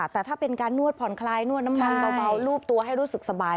แต่ถ้าเป็นการนวดผ่อนคลายนวดน้ำมันเบารูปตัวให้รู้สึกสบาย